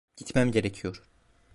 Gitmem gerekiyor.